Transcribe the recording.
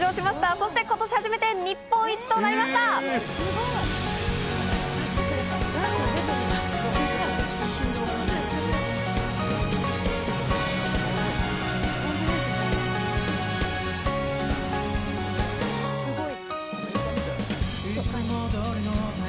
そして今年初めて日本一となりますごい！